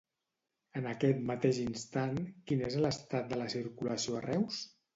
En aquest mateix instant, quin és l'estat de la circulació a Reus?